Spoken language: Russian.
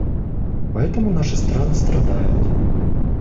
Поэтому наши страны страдают.